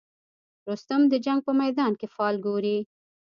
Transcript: رستم د جنګ په میدان کې فال ګوري.